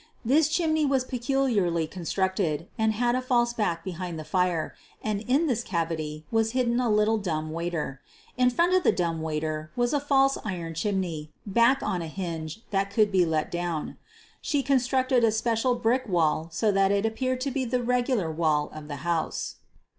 This chimney was peculiarly constructed, and had a false back behind the fire, and in this cavity was hidden a little dumb waiter. In front of the dumb waiter was a false iron chimney back on a hinge that could be let dawn. She constructed a special brick wall so that it appeared to be the regular wall of the house.